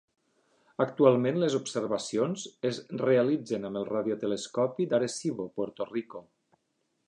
Actualment les observacions es realitzen amb el radiotelescopi d'Arecibo, Puerto Rico.